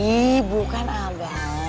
ih bukan abah